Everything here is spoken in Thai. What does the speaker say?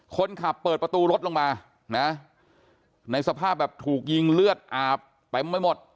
เปิดประตูรถลงมานะในสภาพแบบถูกยิงเลือดอาบเต็มไม่หมด